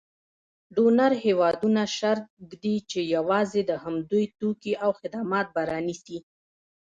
ډونر هېوادونه شرط ږدي چې یوازې د همدوی توکي او خدمات به رانیسي.